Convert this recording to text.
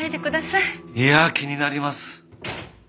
いや気になります。